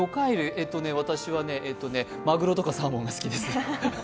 私はマグロとかサーモンが好きです。